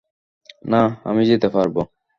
না, আমি যেতে পারবো।